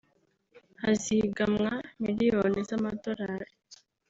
hazigamwa miliyoni z’amadolari